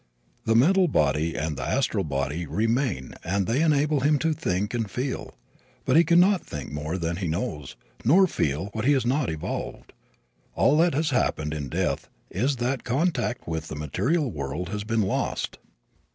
The mental body and the astral body remain and they enable him to think and feel. But he can not think more than he knows, nor feel what he has not evolved. All that has happened in death is that contact with the material world has been lost.